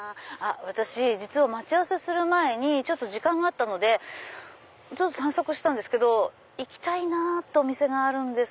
私実は待ち合わせする前にちょっと時間があったので散策してたんですけど行きたいお店があるんです。